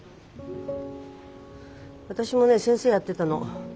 私もね先生やってたの。